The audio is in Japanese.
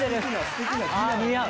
似合う！